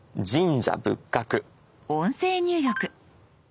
音声入力。